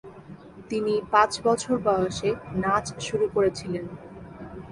তিনি পাঁচ বছর বয়সে নাচ শুরু করেছিলেন।